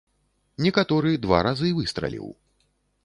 Некаторы два разы выстраліў.